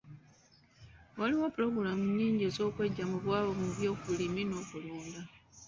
Waliwo pulogulaamu nnyingi ez'okweggya mu bwavu mu by'obulimi n'okulunda..